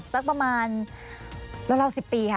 สักประมาณราว๑๐ปีค่ะ